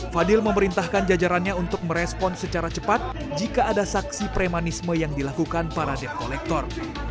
fadil memerintahkan jajarannya untuk merespon secara cepat jika ada saksi premanisme yang dilakukan para dep kolektor